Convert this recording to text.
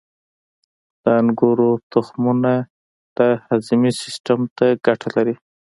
• د انګورو تخمونه د هاضمې سیستم ته ګټه لري.